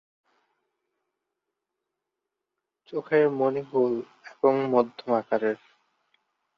চোখের মনি গোল এবং মধ্যম আকারের।